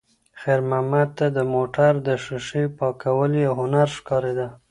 خیر محمد ته د موټر د ښیښې پاکول یو هنر ښکارېده.